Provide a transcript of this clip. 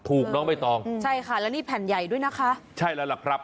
น้องใบตองอืมใช่ค่ะแล้วนี่แผ่นใหญ่ด้วยนะคะใช่แล้วล่ะครับ